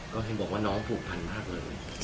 ก็เห็นบอกว่าน้องผูกพันมากเลย